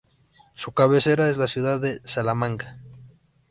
Su cabecera es la ciudad de Salamanca.